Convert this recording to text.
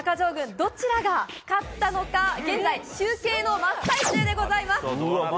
どちらが勝ったのか現在、集計の真っ最中でございます。